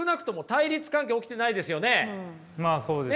まあそうですね。